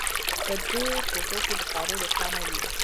په دې کوټو کې بخارۍ روښانه وي